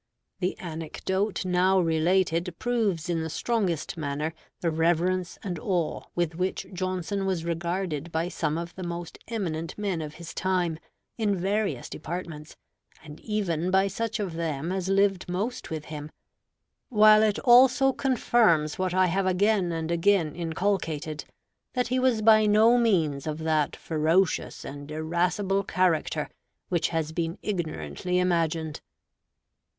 The anecdote now related proves in the strongest manner the reverence and awe with which Johnson was regarded by some of the most eminent men of his time, in various departments, and even by such of them as lived most with him; while it also confirms what I have again and again inculcated, that he was by no means of that ferocious and irascible character which has been ignorantly imagined.